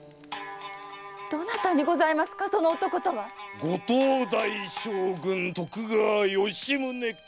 どなたにございますかその男とは⁉ご当代将軍・徳川吉宗公！